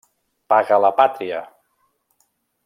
Paga la Pàtria!